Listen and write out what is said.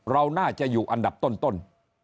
เราน่าจะอยู่อันดับต้น